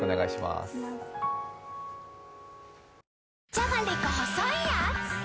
じゃがりこ細いやーつ